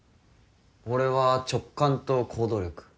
俺は直感と行動力。